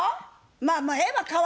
まあまあええわ。